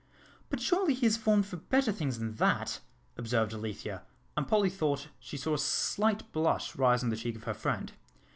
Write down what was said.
"But surely he is formed for better things than that," observed Alethea, and Polly thought she saw a slight blush rise on the cheek of her friend.